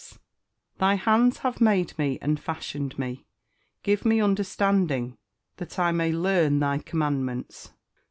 [Verse: "Thy hands have made me and fashioned me: give me understanding, that I may learn thy commandments."